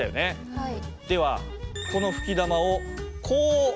はい。